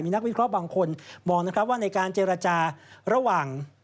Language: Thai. นักวิเคราะห์บางคนมองนะครับว่าในการเจรจาระหว่าง